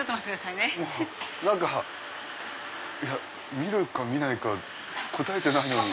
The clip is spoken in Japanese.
見るか見ないか答えてないのに。